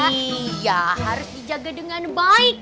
iya harus dijaga dengan baik